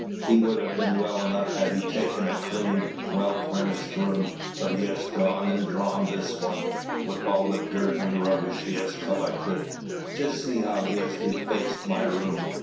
It would have been well enough had he taken a clean, well furnished room; but he has gone and drawn this one, with all the dirt and rubbish he has collected. Just see how he has defaced my room!